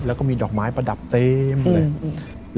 แล้วก็มีดอกไม้ประดับเต็มเลย